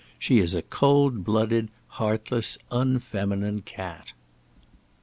She is a cold blooded, heartless, unfeminine cat."